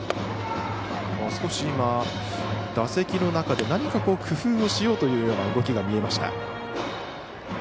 少し今、打席の中で工夫をしようというような動きが見えました。